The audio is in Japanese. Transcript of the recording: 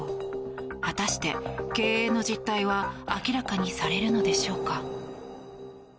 果たして、経営の実態は明らかにされるのでしょうか。